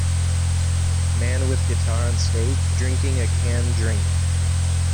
man with guitar on stage drinking a can drink.